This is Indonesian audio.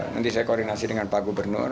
nanti saya koordinasi dengan pak gubernur